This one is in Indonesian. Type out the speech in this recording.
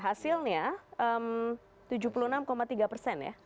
hasilnya tujuh puluh enam tiga persen ya